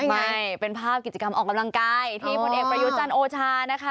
ใช่เป็นภาพกิจกรรมออกกำลังกายที่พลเอกประยุจันทร์โอชานะคะ